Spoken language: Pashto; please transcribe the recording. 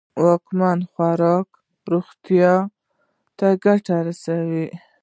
ځواکمن خواړه روغتیا ته گټه رسوي.